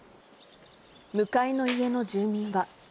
向かいの家の住民は。